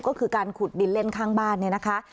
ก็คือการขุดดินเล่นข้างบ้านเนี่ยนะคะ